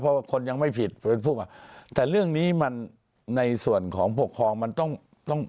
เพราะว่าคนยังไม่ผิดพูดแต่เรื่องนี้มันในส่วนของปกครองมันต้องต้อง